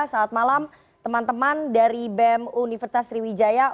saat malam teman teman dari bem universitas sriwijaya